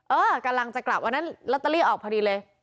เออกำลังจะกลับวันนั้นลอตเตอรี่ออกพอดีเลย